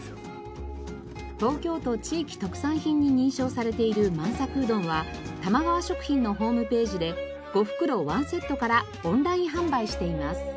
東京都地域特産品に認証されている満さくうどんは玉川食品のホームページで５袋１セットからオンライン販売しています。